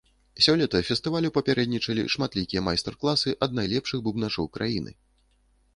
Сёлета фестывалю папярэднічалі шматлікія майстар-класы ад найлепшых бубначоў краіны.